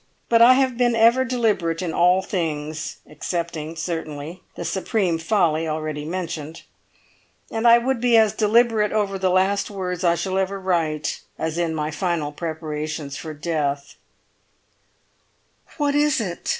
But I have been ever deliberate in all things (excepting, certainly, the supreme folly already mentioned), and I would be as deliberate over the last words I shall ever write, as in my final preparations for death——". "What is it?"